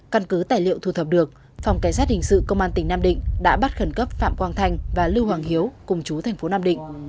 căn cứ tài liệu thu thập được phòng cảnh sát hình sự công an tỉnh nam định đã bắt khẩn cấp phạm quang thanh và lưu hoàng hiếu cùng chú thành phố nam định